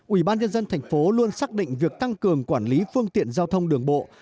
ubnd tp luôn xác định việc tăng cường quản lý phương tiện giao thông đường bộ